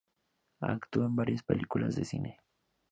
Actuó en varias películas de cine.